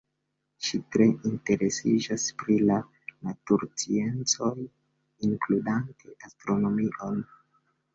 Ŝi tre interesiĝas pri la natursciencoj, inkludante astronomion.